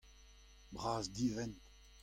Bras-divent.